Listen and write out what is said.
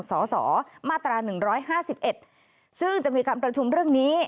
สสมาตรา๑๕๑ซึ่งจะมีการประชุมเรื่องนี้